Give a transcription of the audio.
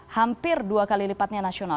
hampir dua kali lipatnya nasional